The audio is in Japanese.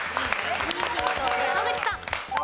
野口さん。